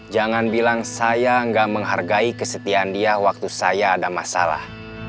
jangan bilang saya enggak menghargai kesetiaan dia waktu saya ada masalah